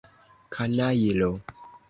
Kanajlo!